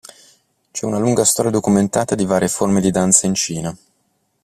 C'è una lunga storia documentata di varie forme di danza in Cina.